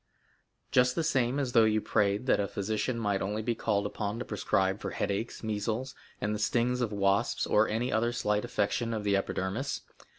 "Just the same as though you prayed that a physician might only be called upon to prescribe for headaches, measles, and the stings of wasps, or any other slight affection of the epidermis.